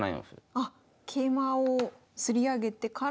あっ桂馬をつり上げてから。